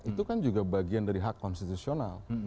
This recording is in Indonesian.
itu kan juga bagian dari hak konstitusional